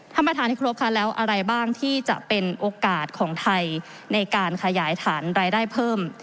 ท่านประธานที่ครบค่ะแล้วอะไรบ้างที่จะเป็นโอกาสของไทยในการขยายฐานรายได้เพิ่ม